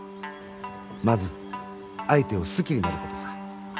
まず相手を好きになることさ。